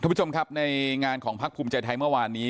ผู้ชมครับในงานของพักภูมิใจไทยเมื่อวานนี้